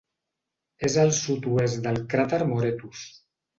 És al sud-oest del cràter Moretus.